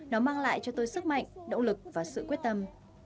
nó mang lại cho tôi sức mạnh động lực và sự quyết tâm